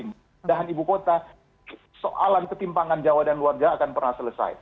pindahan ibu kota soalan ketimpangan jawa dan luar jawa akan pernah selesai